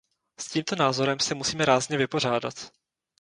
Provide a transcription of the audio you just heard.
S tímto názorem se musíme rázně vypořádat.